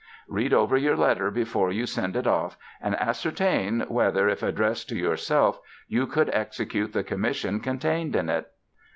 Read over your letter before you send it off and ascertain whether, if addressed to yourself, you could execute the commission contained in it".